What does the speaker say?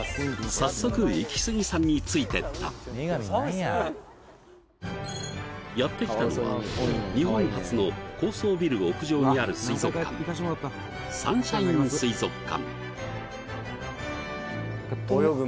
早速寒いっすねやって来たのは日本初の高層ビル屋上にある水族館サンシャイン水族館